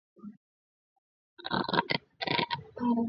Nadhani Marekani inachukua tahadhari ili isikosee tena kama Seneta John Kerry